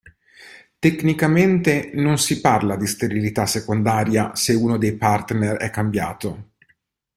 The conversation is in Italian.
Tecnicamente, non si parla di sterilità secondaria se uno dei partner è cambiato.